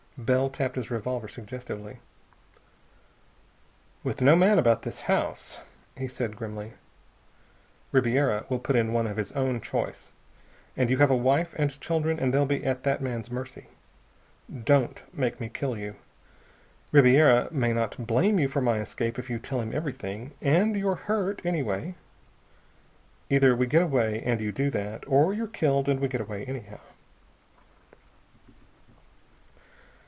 Bell tapped his revolver suggestively. "With no man about this house," he said grimly, "Ribiera will put in one of his own choice. And you have a wife and children and they'll be at that man's mercy. Don't make me kill you. Ribiera may not blame you for my escape if you tell him everything and you're hurt, anyway. Either we get away, and you do that, or you're killed and we get away anyhow."